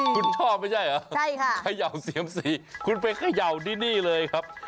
คุณชอบไม่ใช่เหรอใช่ค่ะเขย่าเซียมซีคุณไปเขย่าที่นี่เลยครับ